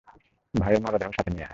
ভাইয়ের মরদেহও সাথে নিয়ে আয়!